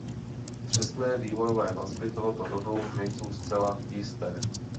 Přesné vývojové vazby tohoto rodu nejsou zcela jisté.